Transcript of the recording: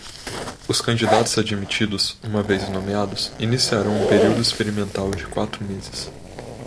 Os candidatos admitidos, uma vez nomeados, iniciarão um período experimental de quatro meses.